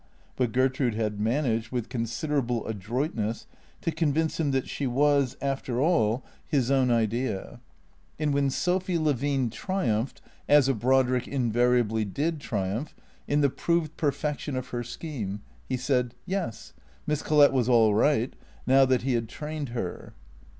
But Gertrude had managed, with consid erable adroitness, to convince him that she was, after all, his 253 354 THECEEATORS own idea. And when Sophy Levine triumphed, as a Brodrick invariably did triumph, in the proved perfection of her scheme, he said, Yes, Miss Collett was all right, now that he had trained her.